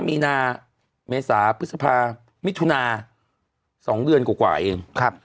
๒๕มีนาคมเมษาพฤษภามิถุนาคมสองเดือนกว่ากว่าเองครับ